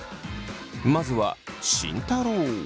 まずは慎太郎。